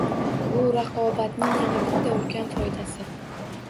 Bu – raqobatning yana bitta ulkan foydasi.